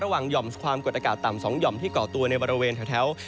หย่อมความกดอากาศต่ำ๒หย่อมที่เกาะตัวในบริเวณแถว